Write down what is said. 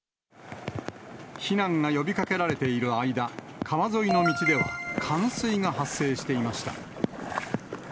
避難が呼びかけられている間、川沿いの道では、冠水が発生していました。